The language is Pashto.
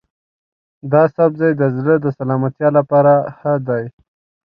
دا سبزی د زړه د سلامتیا لپاره ښه دی.